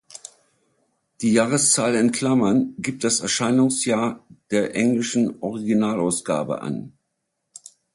Die Jahreszahl in Klammern gibt das Erscheinungsjahr der englischen Originalausgabe an.